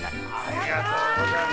ありがとうございます。